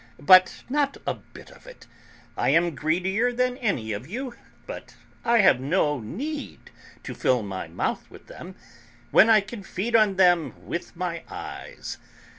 But not a bit of it, I am greedier than any of you, but I have no need to fill my mouth with them when I can feed on them with my eyes.